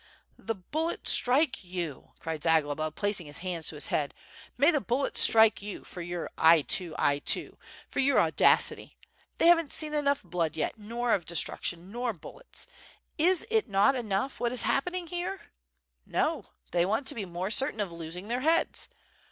"The bullets strike you!" cried Zagloba, placing his hands to his head, "may the bullets strike you for your T too, I too,' WITH FIRE AND SWORD, 751 for your audacity. They haven't seen enough blood yet, nor of destruction, nor bullets! Is it not enough what is hap pening here? No, they want to be more certain of losing their heads.